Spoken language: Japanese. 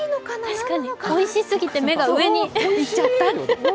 確かに、おいしすぎて目が上にいっちゃった？